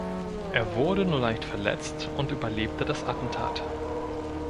Er wurde nur leicht verletzt und überlebte das Attentat.